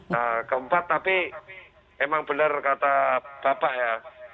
nah keempat tapi emang benar kata bapak ya